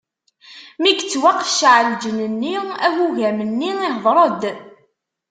Mi yettwaqecceɛ lǧenn-nni, agugam-nni ihdeṛ-d.